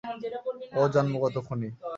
ও জন্মগত খুনি।